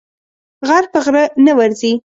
غر په غره نه ورځي.